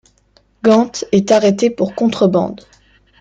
Gant est arrêté pour contrebande.